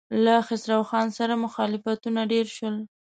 له خسرو خان سره مخالفتونه ډېر شول.